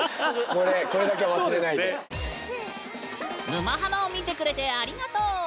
「沼ハマ」を見てくれてありがとう！